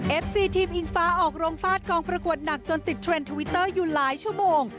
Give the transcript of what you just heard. ซีทีมอิงฟ้าออกโรงฟาดกองประกวดหนักจนติดเทรนด์ทวิตเตอร์อยู่หลายชั่วโมง